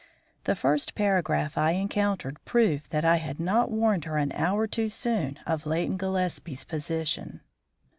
The first paragraph I encountered proved that I had not warned her an hour too soon of Leighton Gillespie's position.